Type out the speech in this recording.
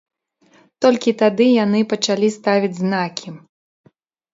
Толькі тады яны пачалі ставіць знакі.